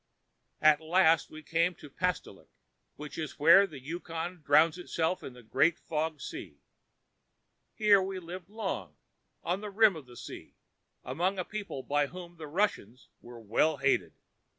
"At last we came to Pastolik, which is where the Yukon drowns itself in the Great Fog Sea. Here we lived long, on the rim of the sea, among a people by whom the Russians were well hated.